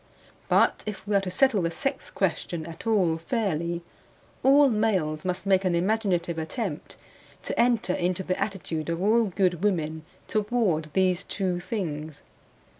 But if we are to settle the sex question at all fairly, all males must make an imaginative attempt to enter into the attitude of all good women toward these two things.